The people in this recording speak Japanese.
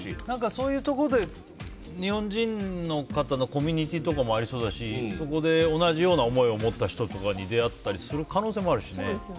そういうところで日本人のコミュニティーとかもありそうだしそこで同じような思いを持った人とかに出会ったりする可能性もあるしね。